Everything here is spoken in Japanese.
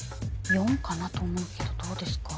４かなと思うけどどうですか？